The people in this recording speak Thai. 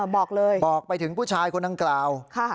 บอกเลยบอกไปถึงผู้ชายคนดังกล่าว